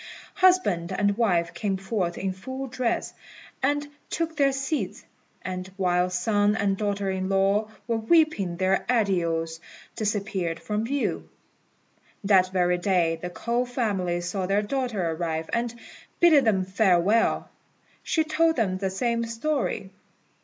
Husband and wife came forth in full dress, and took their seats, and, while son and daughter in law were weeping their adieus, disappeared from view. That very day the K'ou family saw their daughter arrive, and, bidding them farewell, she told them the same story.